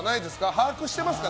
把握してますか？